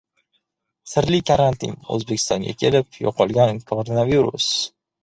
Sirli karantin: O‘zbekistonga kelib «yo‘qolgan» koronavirus...